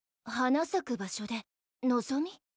花咲く場所で望み？